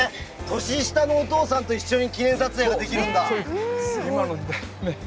年下のお父さんと一緒に記念撮影ができるんだ。